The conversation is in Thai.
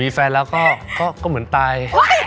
มีแฟนแล้วก็เหมือนตาย